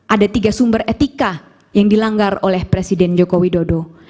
ada tiga sumber etika yang dilanggar oleh presiden joko widodo